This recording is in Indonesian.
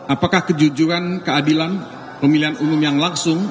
apakah kejujuran keadilan pemilihan umum yang langsung